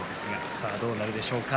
さあ、どうなりますでしょうか。